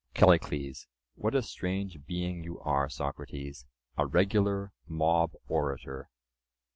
CALLICLES: What a strange being you are, Socrates! a regular mob orator.